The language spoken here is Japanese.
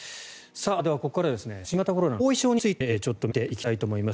ではここからは新型コロナの後遺症についてちょっと見ていきたいと思います。